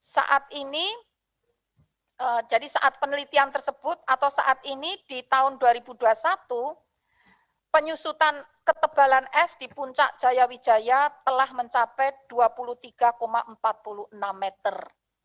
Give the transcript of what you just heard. saat ini jadi saat penelitian tersebut atau saat ini di tahun dua ribu dua puluh satu penyusutan ketebalan es di puncak jaya wijaya telah mencapai dua puluh tiga empat puluh enam meter